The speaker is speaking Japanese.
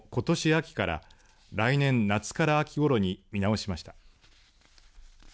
秋から来年夏から秋ごろに見直しました。